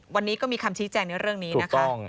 วันนี้ก็มีคำชี้แจงในเรื่องนี้นะคะ